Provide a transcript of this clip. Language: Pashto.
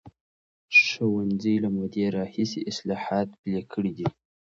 ښوونځي له مودې راهیسې اصلاحات پلي کړي دي.